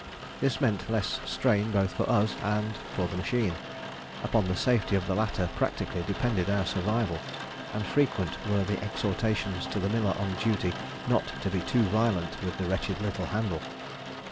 This meant less strain both for us and for the machine: upon the safety of the latter practically depended our survival, and frequent were the exhortations to the miller on duty not to be too violent with the wretched little handle.